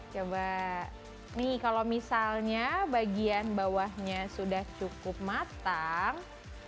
coba nih kalau misalnya bagian bawahnya sudah cukup matang